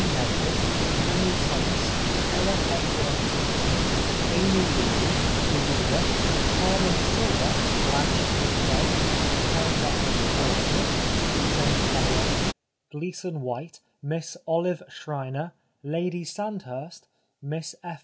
Nesbit, Annie Thomas, Ella Hepworth Dixon, Amy Levy, Ouida, Carmen Sylva, Blanche Roosevelt, the Countess of Portsmouth, St Hehers, Gleeson White, Miss Olive Schreiner, Lady Sandhurst, Miss F.